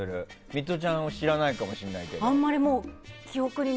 ミトちゃんは知らないかもしれないけど。